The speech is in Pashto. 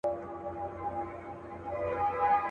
پر چا زیارت او پر چا لوړي منارې جوړي سي.